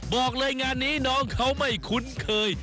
บอกเลยงานนี้น้องเขาไม่คุ้นเคย